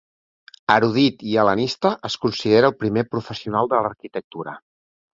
Erudit i hel·lenista, es considera el primer professional de l'arquitectura.